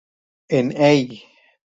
En Hey!